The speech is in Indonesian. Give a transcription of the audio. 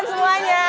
have fun semuanya